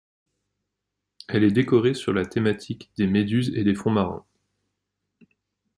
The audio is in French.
Elle est décorée sur la thématique des méduses et des fonds marins.